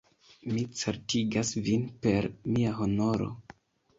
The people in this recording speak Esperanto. Mi certigas vin per mia honoro!